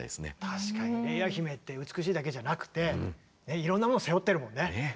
確かにレイア姫って美しいだけじゃなくていろんなものを背負ってるもんね。